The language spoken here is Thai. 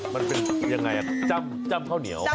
มันเป็นยังไงจ้ำข้าวเหนียว